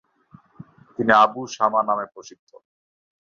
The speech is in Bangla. তিনি আবু শামা নামে প্রসিদ্ধ।